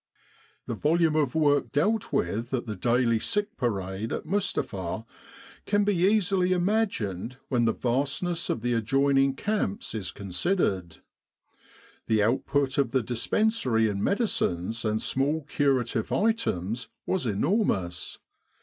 The volume of work dealt with at the daily Sick Parade at Mustapha can be easily imagined when the vastness of the adjoining camps is considered. The output of the dispensary in medicines and small curative items was enormous.